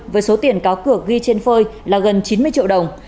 với số tiền cáo cược ghi trên phơi là gần chín mươi triệu đồng